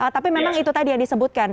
tapi memang itu tadi yang disebutkan